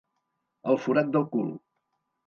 El forat del cul.